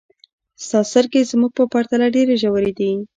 ستا سترګې زموږ په پرتله ډېرې ژورې دي.